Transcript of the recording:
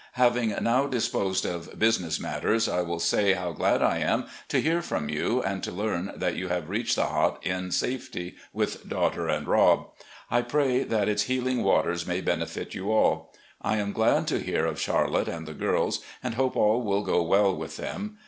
,.. Having now disposed of business matters, I will say how glad I am to hear from you, and to learn that you have reached the Hot in safety, with daughter and Rob. I pray that its healing waters may benefit you all. I am glad to hear of Charlotte and the girls, and hope all will go well with them.